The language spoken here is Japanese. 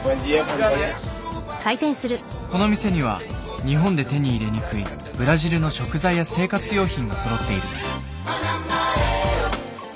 この店には日本で手に入れにくいブラジルの食材や生活用品がそろっている。